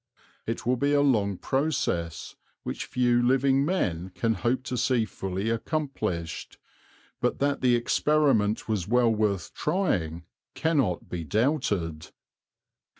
It will be a long process which few living men can hope to see fully accomplished; but that the experiment was well worth trying cannot be doubted.